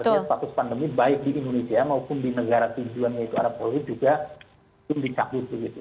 artinya status pandemi baik di indonesia maupun di negara tujuannya itu arab world juga pun dicapu begitu